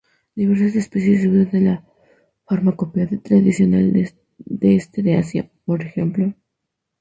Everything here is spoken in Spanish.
Diversas especies se usan en la farmacopea tradicional del este de Asia, p. ej.